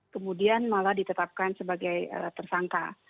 kemudian malah ditetapkan sebagai tersangka